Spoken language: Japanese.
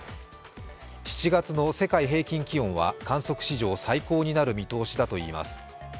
７月の世界平均気温は観測史上最高になる見通しだといいます。